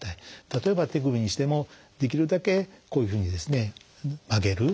例えば手首にしてもできるだけこういうふうに曲げる。